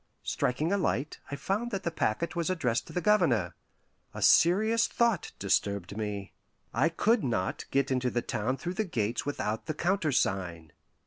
Striking a light, I found that the packet was addressed to the Governor. A serious thought disturbed me: I could not get into the town through the gates without the countersign.